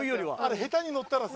下手に乗ったらさ。